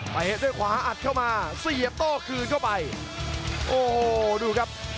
ด้วยขวาอัดเข้ามาเสียบโต้คืนเข้าไปโอ้โหดูครับ